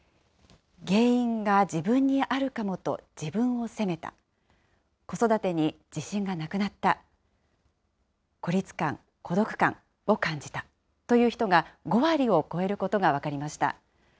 原因が自分にあるかもと自分を責めた、子育てに自信がなくなった、孤立感、孤独感を感じたという人が５割を超えることが分かりました。